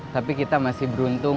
tapi kita masih beruntung